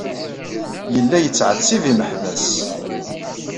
Yella yettɛettib imeḥbas.